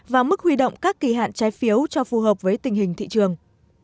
và mức huy động các kỳ hạn trái phiếu cho phù hợp với tình hình thị trường